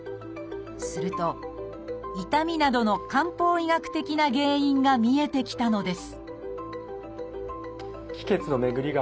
すると痛みなどの漢方医学的な原因が見えてきたのです